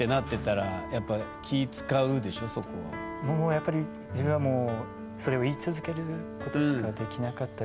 やっぱり自分はもうそれを言い続けることしかできなかったですね。